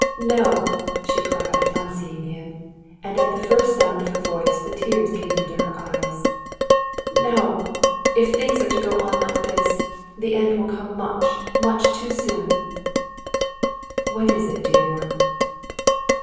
"No," she cried, on seeing him, and at the first sound of her voice the tears came into her eyes. "No; if things are to go on like this, the end will come much, much too soon." "What is it, dear one?"